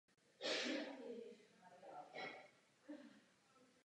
Taková je institucionální role tohoto výboru, jeho povinnost.